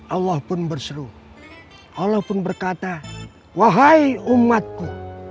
allah pun berseru allah pun berkata wahai umatku